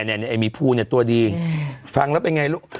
ไอ้มีภูเนี่ยตัวดีฟังแล้วเป็นไงลูก